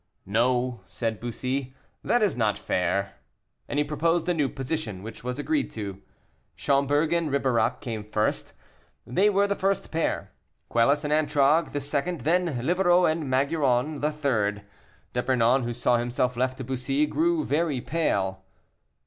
"No," said Bussy, "that is not fair;" and he proposed a new position, which was agreed to. Schomberg and Ribeirac came first. They were the first pair; Quelus and Antragues the second; then Livarot and Maugiron the third. D'Epernon, who saw himself left to Bussy, grew very pale.